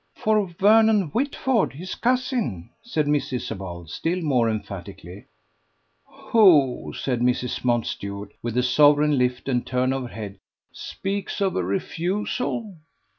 "For Vernon Whitford, his cousin." said Miss Isabel, still more emphatically. "Who," said Mrs. Mountstuart, with a sovereign lift and turn of her head, "speaks of a refusal?"